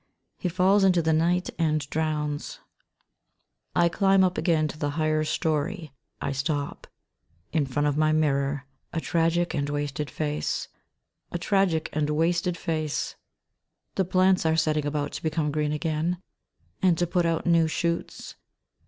He falls into the night and drowns. «....♦. I climb up again to the higher storey ; I stop in front of my mirror ; a tragic and wasted face ! 60 THE RED LOTUS « A tragic and wasted face I The plants are setting about to become green again, and to put out new shoots.